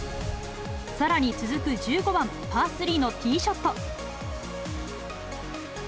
さらに続く１５番パー３のティーショット。